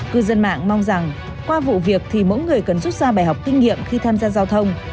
cư dân mạng mong rằng qua vụ việc thì mỗi người cần rút ra bài học kinh nghiệm khi tham gia giao thông